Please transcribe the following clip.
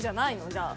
じゃあ。